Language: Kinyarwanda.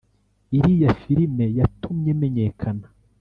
iriya filime yatumye menyekana